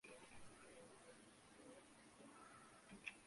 I Déu li ha fet la gràcia de llançar llum entorn.